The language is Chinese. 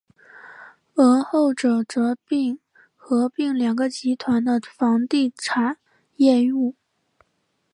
而后者则合并两个集团的房地产业务。